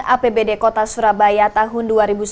apbd kota surabaya tahun dua ribu sembilan belas